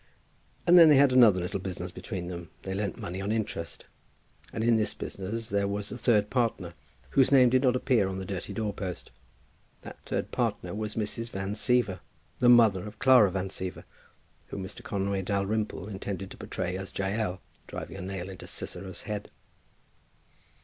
And then they had another little business between them. They lent money on interest. And in this business there was a third partner, whose name did not appear on the dirty door post. That third partner was Mrs. Van Siever, the mother of Clara Van Siever whom Mr. Conway Dalrymple intended to portray as Jael driving a nail into Sisera's head.